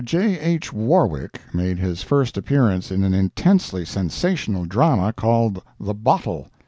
J. H. Warwick made his first appearance in an intensely sensational drama called "The Bottle."